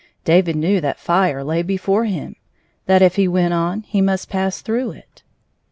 David knew that fire lay before him ; that if he went on he must pass through it.